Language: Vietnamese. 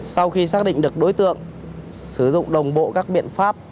sau khi xác định được đối tượng sử dụng đồng bộ các biện pháp